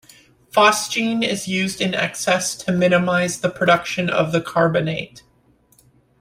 Phosgene is used in excess to minimise the production of the carbonate.